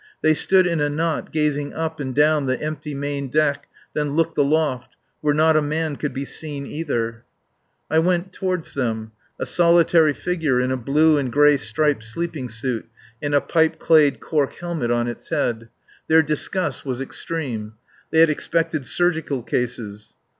They stood in a knot gazing up and down the empty main deck, then looked aloft where not a man could be seen, either. I went toward them a solitary figure, in a blue and gray striped sleeping suit and a pipe clayed cork helmet on its head. Their disgust was extreme. They had expected surgical cases.